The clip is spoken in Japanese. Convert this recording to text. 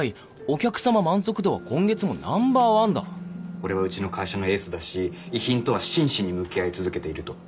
「俺はうちの会社のエースだし遺品とは真摯に向き合い続けている」と。